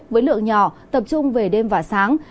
với lượng nhỏ tập trung về đêm và sáng